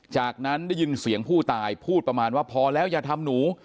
จากนั้นได้ยินเสียงผู้ตายพูดประมาณว่าพอแล้วอย่าทำหนู